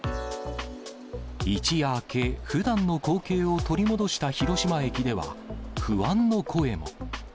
一夜明け、ふだんの光景を取り戻した広島駅では、不安の声も。